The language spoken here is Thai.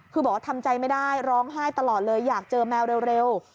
คือบอกว่าทำใจไม่ได้ร้องไห้ตลอดเลยอยากเจอแมวเร็ว